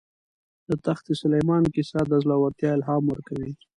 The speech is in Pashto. د تخت سلیمان کیسه د زړه ورتیا الهام ورکوي.